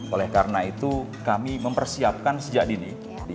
oleh karena itu kami mempersiapkan sejak dini